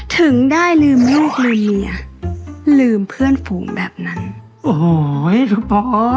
ถึงได้ลืมลูกลืมเมียลืมเพื่อนฝูงแบบนั้นโอ้โหคุณพ่อ